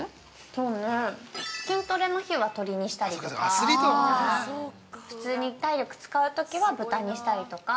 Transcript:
◆そうね、筋トレの日は鶏にしたりとか普通に体力使うときは豚にしたりとか。